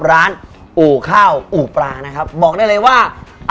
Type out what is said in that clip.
ร้านอู่ข้าวอู่ปลานะครับบอกได้เลยว่า